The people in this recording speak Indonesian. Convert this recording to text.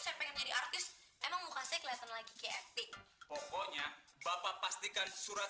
saya pengen jadi artis emang muka saya kelihatan lagi ke etik pokoknya bapak pastikan surat